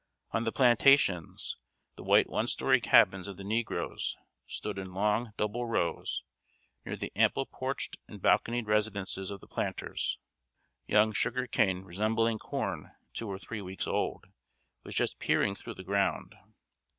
On the plantations, the white one story cabins of the negroes stood in long double rows, near the ample porched and balconied residences of the planters. Young sugar cane, resembling corn two or three weeks old, was just peering through the ground.